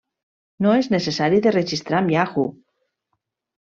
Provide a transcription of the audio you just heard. No és necessari de registrar amb Yahoo!